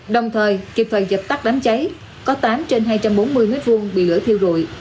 đồng thời kịp thời dập tắt đám cháy có tám trên hai trăm bốn mươi m hai bị lửa thiêu rụi